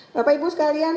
bapak ibu sekalian